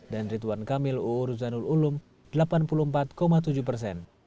dan ridwan kamil uu ruzanul ulum delapan puluh empat tujuh persen